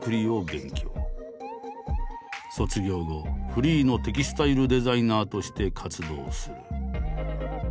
卒業後フリーのテキスタイルデザイナーとして活動する。